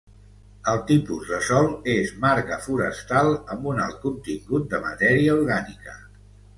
El tipus de sòl és marga forestal amb un alt contingut de matèria orgànica.